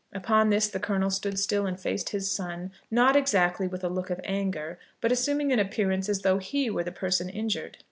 Upon this, the Colonel stood still and faced his son; not exactly with a look of anger, but assuming an appearance as though he were the person injured.